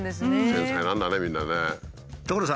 繊細なんだねみんなね。